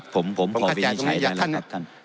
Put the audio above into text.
ผมขอวินิจฉัยนะครับท่าน